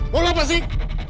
mau lo apa sih